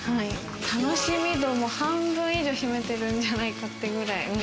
楽しみ度、半分以上を占めてるんじゃないかなってくらい。